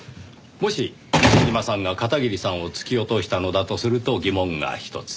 もし西嶋さんが片桐さんを突き落としたのだとすると疑問がひとつ。